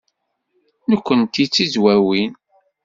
Nekkenti d Tizwawin.